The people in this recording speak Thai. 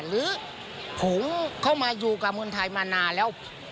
หรือผมเข้ามาอยู่กับคนไทยมานานแล้ว